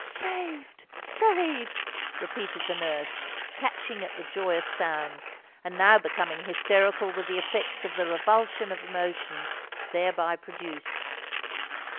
"Saved! saved!" repeated the nurse, catching at the joyous sound, and now becoming hysterical with the effects of the revulsion of emotions thereby produced.